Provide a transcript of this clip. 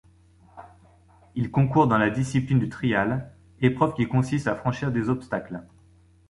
Il concourt dans la discipline du trial, épreuve qui consiste à franchir des obstacles.